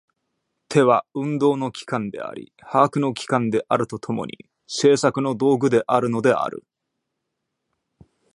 手は運動の機関であり把握の機関であると共に、製作の道具であるのである。